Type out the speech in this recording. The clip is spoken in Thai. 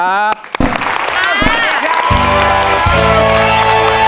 สวัสดีค่ะ